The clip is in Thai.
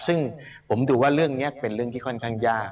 ซึ่งผมดูว่าเรื่องนี้เป็นเรื่องที่ค่อนข้างยาก